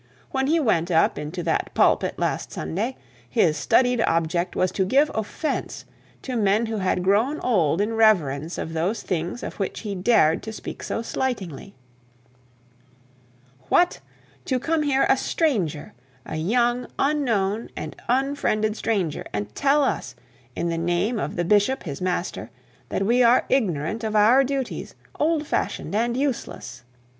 When he went up into that pulpit last Sunday, his studied object was to give offence to men who had grown old in reverence to those things of which he dared to speak so slightingly. What! To come here a stranger, a young, unknown, and unfriended stranger, and tell us, in the name of the bishop, his master, that we are ignorant of our duties, old fashioned, and useless!